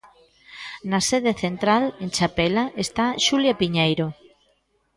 Na sede central, en Chapela, está Xulia Piñeiro.